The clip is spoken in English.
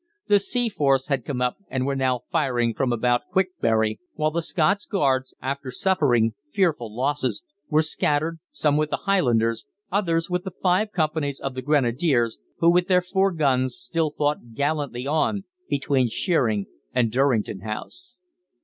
The Seaforths had come up, and were now firing from about Quickbury, while the Scots Guards, after suffering fearful losses, were scattered, some with the Highlanders, others with the five companies of the Grenadiers, who with their four guns still fought gallantly on between Sheering and Durrington House.